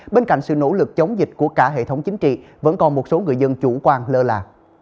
bên cạnh sự nỗ lực chống dịch của cả hệ thống chính trị vẫn còn một số người dân chủ quan lơ là